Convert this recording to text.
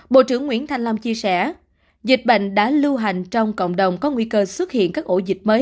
bộ trưởng nguyễn thanh long chia sẻ dịch bệnh đã lưu hành trong cộng đồng có nguy cơ xuất hiện các ổ dịch mới